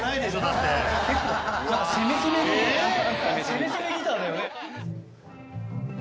攻め攻めギターだよね。